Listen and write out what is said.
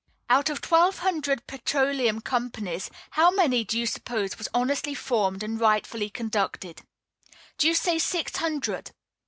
Out of twelve hundred petroleum companies, how many do you suppose were honestly formed and rightfully conducted? Do you say six hundred?